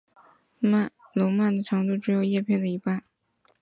笼蔓的长度只有叶片的一半。